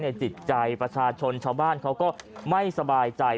จิตใจประชาชนชาวบ้านเขาก็ไม่สบายใจ